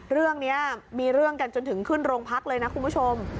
เรื่องนี้มีเรื่องกันจนถึงขึ้นโรงพักเลยนะคุณผู้ชม